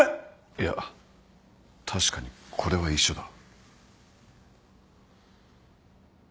いや確かにこれは遺書だ。